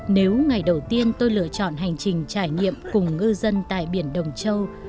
nếu ngày đầu tiên tôi lựa chọn hành trình trải nghiệm cùng ngư dân tại biển đồng châu